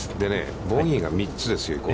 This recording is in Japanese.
ボギーが３つですよ。